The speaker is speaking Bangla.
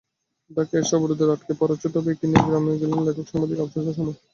ঢাকায় এসে অবরোধে আটকে পড়া ছোট ভাইকে নিয়ে গ্রামে গেলেন লেখক-সাংবাদিক আফরোজা সোমা।